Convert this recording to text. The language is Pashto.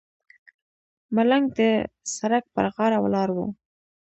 ملنګ د سړک پر غاړه ولاړ و.